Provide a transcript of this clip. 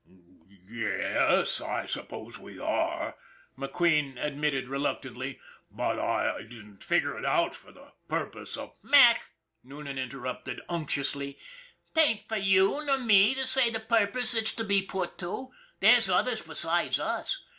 " Ye e es, I suppose we are," McQueen admitted re McQUEEN'S HOBBY 285 luctantly ;" but I didn't figure it out for the purpose of "" Mac," Noonan interrupted unctuously, " 'tain't for you nor me to say the purpose it's to be put to. There's others besides us.